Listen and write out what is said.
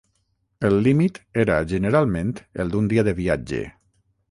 El límit era generalment el d'un dia de viatge.